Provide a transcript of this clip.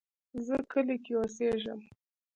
زه کلی کې اوسیږم